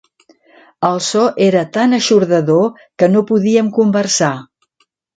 El so era tan eixordador que no podíem conversar.